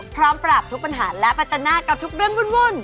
พร้อมปราบทุกปัญหาและปัจจนากับทุกเรื่องวุ่น